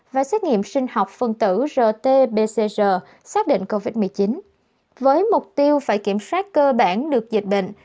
và xét nghiệm sinh học phân tử rt pcr xác định covid một mươi chín với mục tiêu phải kiểm soát cơ bản được dịch bệnh